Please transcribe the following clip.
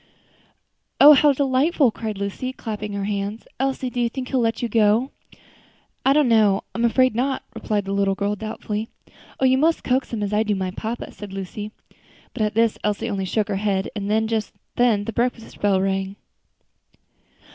"Oh! how delightful!" cried Lucy, clapping her hands. "Elsie, do you think he will let you go?" "I don't know, I'm afraid not," replied the little girl doubtfully. "You must coax him, as I do my papa," said Lucy. But at this Elsie only shook her head, and just then the breakfast bell rang.